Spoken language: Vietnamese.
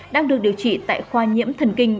đang được điều trị tại khoa nhiễm thần kinh